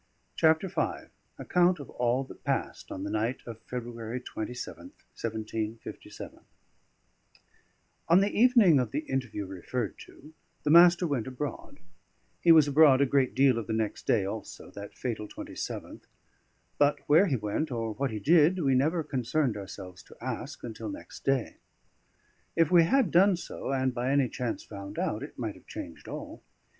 CHAPTER V ACCOUNT OF ALL THAT PASSED ON THE NIGHT OF FEBRUARY 27TH, 1757 On the evening of the interview referred to, the Master went abroad; he was abroad a great deal of the next day also, that fatal 27th; but where he went, or what he did, we never concerned ourselves to ask until next day. If we had done so, and by any chance found out, it might have changed all.